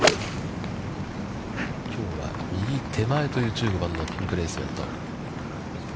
きょうは右手前という１５番のピンプレス。